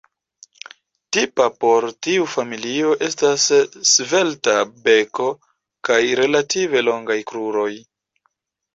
Tipa por tiu familio estas svelta beko kaj relative longaj kruroj.